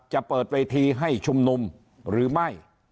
จะเปิดเวทีให้ชุมนุมหรือไม่